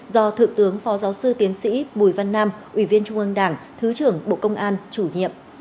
do thượng tướng phó giáo sư tiến sĩ bùi văn nam ủy viên trung ương đảng thứ trưởng bộ công an chủ nhiệm